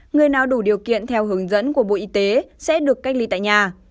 người nào đủ điều kiện theo hướng dẫn của bộ y tế sẽ được cách ly tại nhà